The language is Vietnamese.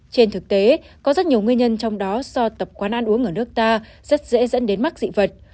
trên thực tế có rất nhiều nguyên nhân trong đó do tập quán ăn uống ở nước ta rất dễ dẫn đến mắc dị vật